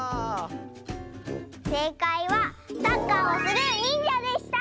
せいかいはサッカーをするにんじゃでした！